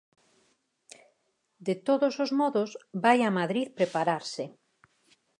De todos os modos, vai a Madrid prepararse.